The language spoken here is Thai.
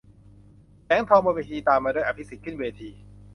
แสงทอง บนเวที - ตามมาด้วย อภิสิทธิ์ ขึ้นเวที